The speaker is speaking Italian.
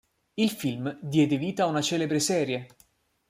Il film diede vita a una celebre serie.